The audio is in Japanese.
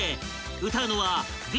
［歌うのはＢ